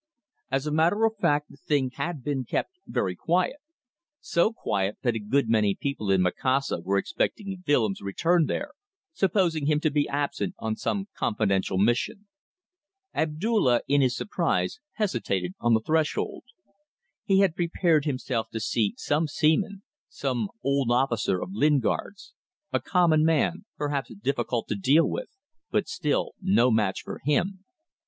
As a matter of fact the thing had been kept very quiet so quiet that a good many people in Macassar were expecting Willems' return there, supposing him to be absent on some confidential mission. Abdulla, in his surprise, hesitated on the threshold. He had prepared himself to see some seaman some old officer of Lingard's; a common man perhaps difficult to deal with, but still no match for him.